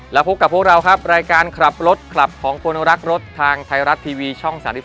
แล้วพบกับพวกเราครับรายการขับรถคลับของคนรักรถทางไทยรัฐทีวีช่อง๓๒